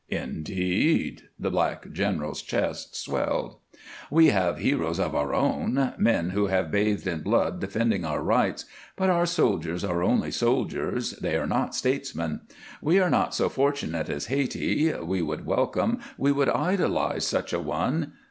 "Indeed!" The black general's chest swelled. "We have heroes of our own men who have bathed in blood defending our rights but our soldiers are only soldiers, they are not statesmen. We are not so fortunate as Hayti. We would welcome, we would idolize such a one.